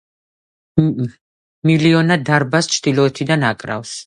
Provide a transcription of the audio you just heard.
მილიონა დარბაზს ჩრდილოეთიდან აკრავს.